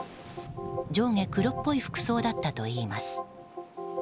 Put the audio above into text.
上下黒っぽい服装だったといいます。